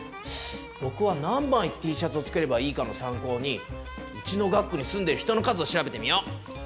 ぼくは何枚Ｔシャツを作ればいいかの参考にうちの学区に住んでる人の数を調べてみよう！